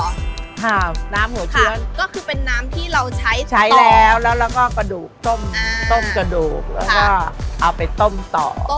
ค่ะน้ำหัวเชื้อก็คือเป็นน้ำที่เราใช้แล้วต้มกระดูกจะเอาไปต้มต่อ